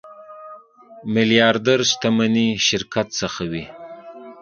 میلیاردر شتمني شرکت څخه وي.